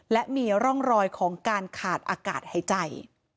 และมีร่องรอยของการขาดอากาศหายใจ